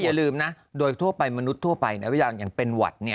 อย่าลืมนะโดยทั่วไปมนุษย์ทั่วไปอย่างเป็นหวัด